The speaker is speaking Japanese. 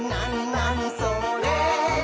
なにそれ？」